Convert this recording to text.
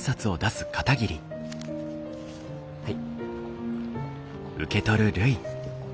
はい。